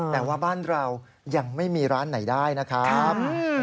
แต่ว่าบ้านเรายังไม่มีร้านไหนได้นะครับ